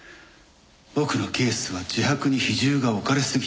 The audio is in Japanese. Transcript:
僕のケースは自白に比重が置かれすぎている。